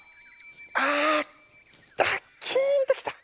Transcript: あっキーンときた！